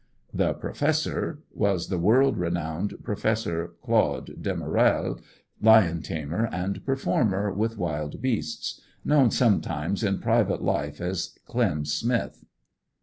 "The Professor" was the world renowned Professor Claude Damarel, lion tamer and performer with wild beasts, known sometimes in private life as Clem Smith.